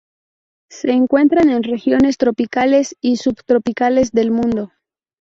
Se encuentran en regiones tropicales y subtropicales del mundo.